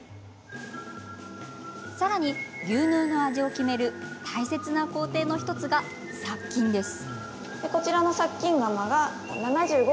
さらに、牛乳の味を決める大切な工程の１つが殺菌です。